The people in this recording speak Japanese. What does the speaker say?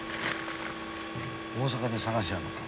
大阪で探しやんのか？